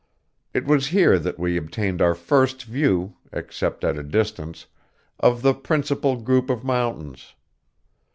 It was here that we obtained our first view, except at a distance, of the principal group of mountains.